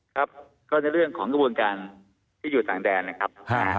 ครับก็ในเรื่องของกระบวนการที่อยู่ต่างแดนนะครับ